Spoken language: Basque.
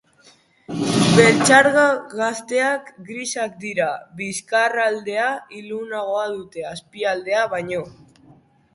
Beltxarga gazteak grisak dira, bizkarraldea ilunagoa dute azpialdea baino.